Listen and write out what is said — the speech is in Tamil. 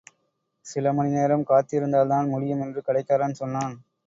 சிலமணிநேரம் காத்திருந்தால்தான் முடியும் என்று கடைக்காரன் சொன்னான்.